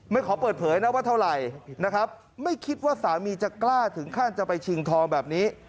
ขอเปิดเผยนะว่าเท่าไหร่นะครับไม่คิดว่าสามีจะกล้าถึงขั้นจะไปชิงทองแบบนี้